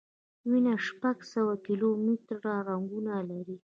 وینه شپږ سوه کیلومټره رګونه لري.